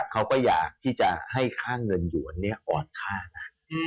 เขาก็อยากที่จะให้ค่าเงินหยวนนี้อ่อนค่านะ